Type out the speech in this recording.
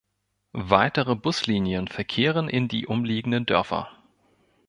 Weitere Buslinien verkehren in die umliegenden Dörfer.